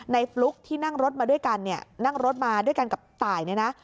ฟลุ๊กที่นั่งรถมาด้วยกันเนี่ยนั่งรถมาด้วยกันกับตายเนี่ยนะ